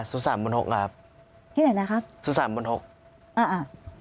ศูนย์สามหมื่นหกครับที่ไหนนะครับศูนย์สามหมื่นหกอ่าอ่า